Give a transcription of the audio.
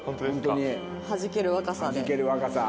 はじける若さ。